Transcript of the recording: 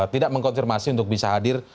tidak mengkonfirmasi untuk bisa hadir